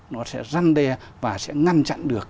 nó sẽ răn đe và sẽ ngăn chặn được